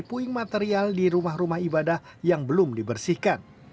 puing material di rumah rumah ibadah yang belum dibersihkan